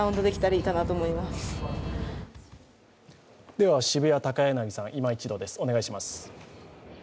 では渋谷、高柳さんいま一度です。